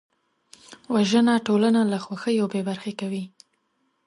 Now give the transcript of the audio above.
وژنه ټولنه له خوښیو بېبرخې کوي